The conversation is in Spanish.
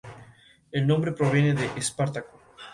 El nombre proviene de Espartaco.